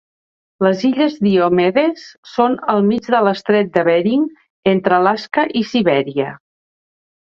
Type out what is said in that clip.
Les illes Diomedes són al mig de l'estret de Bering, entre Alaska i Sibèria.